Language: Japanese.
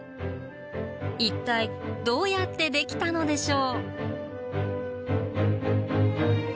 一体どうやってできたのでしょう？